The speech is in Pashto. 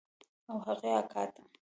او هغې اکا ته.